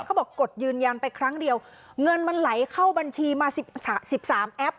บอกกดยืนยันไปครั้งเดียวเงินมันไหลเข้าบัญชีมา๑๓แอป